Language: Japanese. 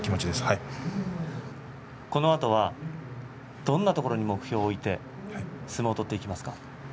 このあとはどんなところに目標を置いて相撲を取っていきますか。